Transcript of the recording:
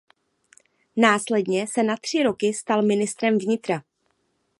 Následně se na tři roky stal ministrem vnitra.